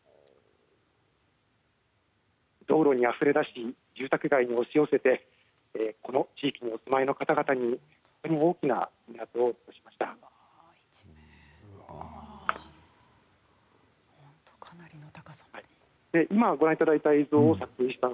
道路にあふれ出して住宅街に押し寄せてこの地域にお住まいの方々に非常に大きな爪痕を残しました。